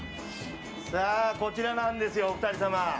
こちらなんですよお二人様。